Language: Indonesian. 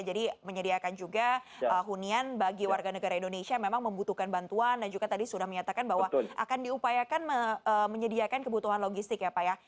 jadi menyediakan juga hunian bagi warga negara indonesia memang membutuhkan bantuan dan juga tadi sudah menyatakan bahwa akan diupayakan menyediakan kebutuhan logistik ya pak ya